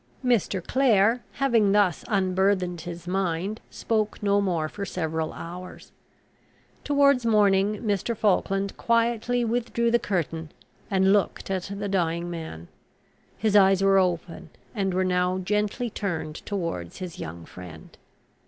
Mr. Clare, having thus unburthened his mind, spoke no more for several hours. Towards morning Mr. Falkland quietly withdrew the curtain, and looked at the dying man. His eyes were open, and were now gently turned towards his young friend.